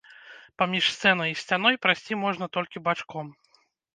Паміж сцэнай і сцяной прайсці можна толькі бачком.